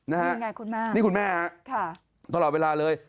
นี่ไงคุณแม่นี่คุณแม่ฮะค่ะตลอดเวลาเลย